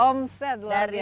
omset luar biasa